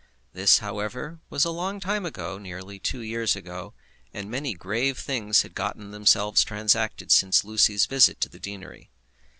This, however, was a long time ago, nearly two years ago; and many grave things had got themselves transacted since Lucy's visit to the deanery.